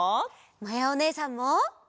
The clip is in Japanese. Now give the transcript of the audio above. まやおねえさんも！